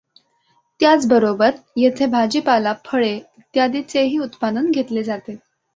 त्याचबरोबर येथे भाजीपाला, फळे इ. चेही उत्पादन घेतले जाते.